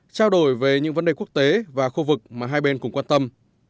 trao đổi về những vấn đề quốc tế và khu vực mà hai bên cùng quan tâm